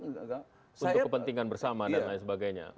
untuk kepentingan bersama dan lain sebagainya